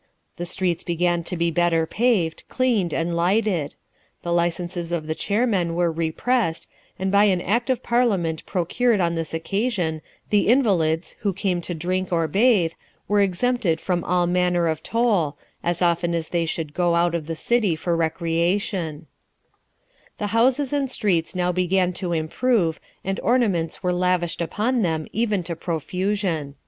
The streets began to be better paved, cleaned, and lighted ; the licenses of the chairmen were repressed, and by an act of parliament procured on this occasion, the invalids, who came to drink or bathe, were exempted from all manner of toll, as often as they should go out of the city for recreation. LIFE OF RICHARD NASH. 53 The houses and streets now began to improve, and ornaments were lavished upon them even to profusion.